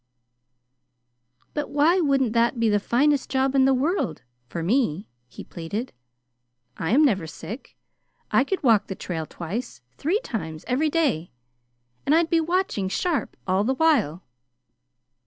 "But why wouldn't that be the finest job in the world for me?" he pleaded. "I am never sick. I could walk the trail twice, three times every day, and I'd be watching sharp all the while."